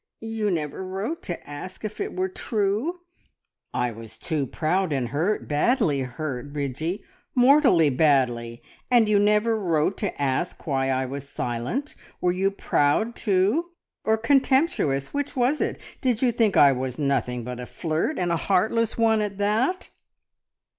You never wrote to to ask if it were true?" "I was too proud and hurt, badly hurt, Bridgie mortally badly! And you never wrote to ask why I was silent. Were you proud too, or contemptuous which was it? Did you think I was nothing but a flirt, and a heartless one at that?"